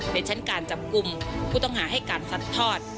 ในชั้นการจับกลุ่มผู้ต้องหาให้การซัดทอด